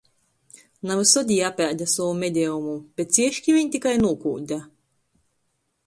Na vysod jī apēde sovu medejumu, bet cieški viņ tikai nūkūde.